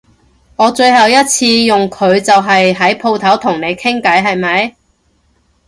我最後一次用佢就係喺舖頭同你傾偈係咪？